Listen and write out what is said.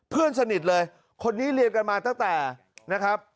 เพื่อนสนิทเลยคนนี้เรียนกันมาตั้งแต่นะครับ